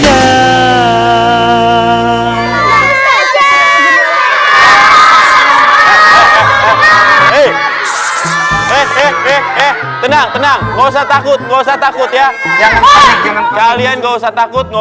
eh eh eh eh eh tenang tenang nggak usah takut takut ya kalian nggak usah takut nggak